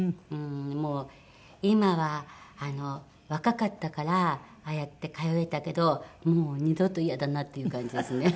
もう今は若かったからああやって通えたけどもう二度とイヤだなっていう感じですね。